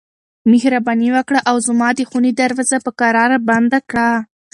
مهرباني وکړه او زما د خونې دروازه په کراره بنده کړه.